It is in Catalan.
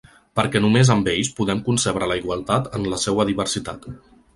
Perquè només amb ells podem concebre la igualtat en la seua diversitat.